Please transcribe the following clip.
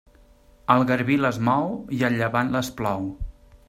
El garbí les mou i el llevant les plou.